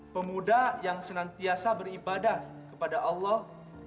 pemuda yang senantiasa beribadah kepada allah